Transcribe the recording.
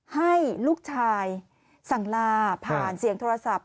ให้ลูกชายสั่งลาผ่านเสียงโทรศัพท์